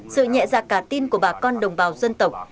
sự nhẹ dạ cả tin của bà con đồng bào dân tộc